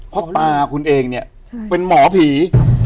เพราะตาคุณเองเนี่ยเป็นหมอผี